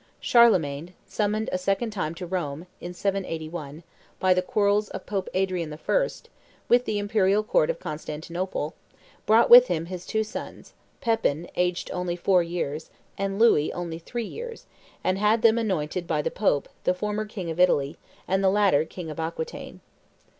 Charlemagne, summoned a second time to Rome, in 781, by the quarrels of Pope Adrian I. with the imperial court of Constantinople, brought with him his two sons, Pepin aged only four years, and Louis only three years, and had them anointed by the Pope, the former King of Italy, and the latter King of Aquitaine.